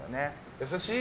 優しい？